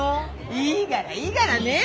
いいがらいいがらねえ。